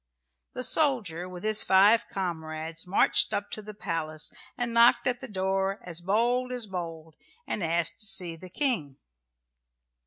The soldier with his five comrades marched up to the palace and knocked at the door as bold as bold, and asked to see the King.